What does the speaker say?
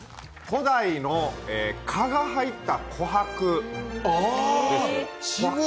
古代の蚊が入った琥珀です。